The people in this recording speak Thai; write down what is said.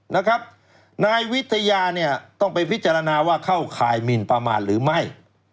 นายวิทยาเนี่ยต้องไปพิจารณาว่าเข้าข่ายหมินประมาณหรือไม่